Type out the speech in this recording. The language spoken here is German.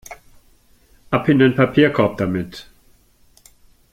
Ab in den Papierkorb damit!